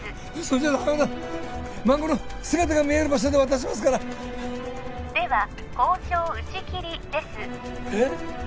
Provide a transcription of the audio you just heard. それじゃダメだ孫の姿が見える場所で渡しますからでは交渉打ち切りですえっ？